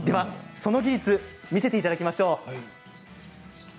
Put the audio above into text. その技術を見せていただきましょう。